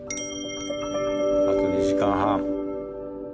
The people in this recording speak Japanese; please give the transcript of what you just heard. あと２時間半。